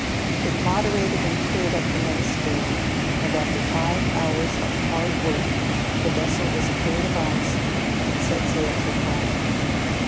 It moderated and cleared up the next day, and after five hours of hard work the vessel was cleared of ice, and sail set for home.